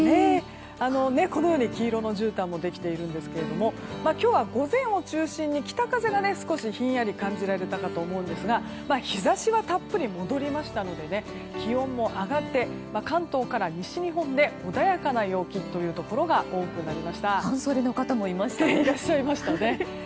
このように黄色のじゅうたんもできているんですが今日は午前を中心に北風がひんやり感じられたかと思うんですが日差しはたっぷり戻りましたので気温も上がって関東から西日本で穏やかな陽気というところが半袖の方もいましたね。